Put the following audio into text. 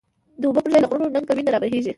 د اوبو پر ځای له غرونو، نګه وینی رابهیږی